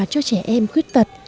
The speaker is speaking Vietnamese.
cho trẻ em khuyết tật